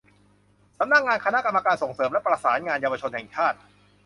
สำนักงานคณะกรรมการส่งเสริมและประสานงานเยาวชนแห่งชาติ